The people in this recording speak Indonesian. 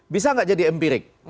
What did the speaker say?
bisa gak jadi empirik